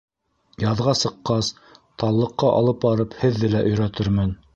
Яҙға сыҡҡас, таллыҡҡа алып барып, һеҙҙе лә өйрәтермен.